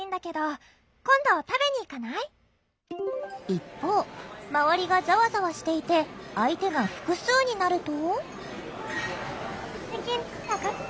一方周りがザワザワしていて相手が複数になると。